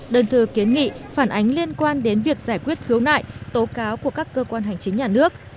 đơn thư kiến nghị phản ánh liên quan đến việc giải quyết khiếu nại tố cáo của các cơ quan hành chính nhà nước